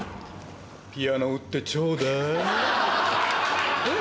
ピアノ売ってちょうだいえっ？